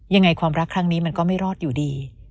ยังไงความรักครั้งนี้มันก็ไม่รอดอยู่ดี